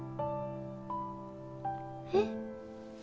えっ？